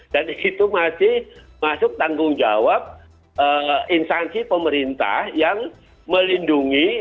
dan itu masih masuk tanggung jawab instansi pemerintah yang melindungi